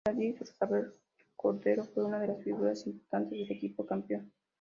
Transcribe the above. Eladio Rosabal Cordero, fue una de las figuras importantes del equipo campeón.